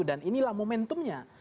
dan inilah momentumnya